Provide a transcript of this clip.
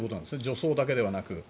除草だけではなく。